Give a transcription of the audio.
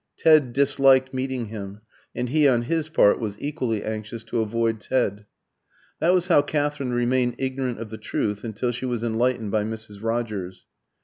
Ted disliked meeting him, and he on his part was equally anxious to avoid Ted. That was how Katherine remained ignorant of the truth until she was enlightened by Mrs. Rogers.